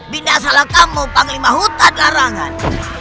binasalah kamu panglima hutan larangan